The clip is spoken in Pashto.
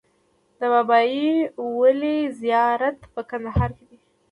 د بابای ولي زیارت په کندهار کې دی